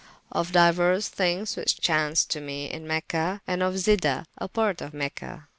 Of diuers thynges which chaunced to me in Mecha; and of Zida, a port of Mecha.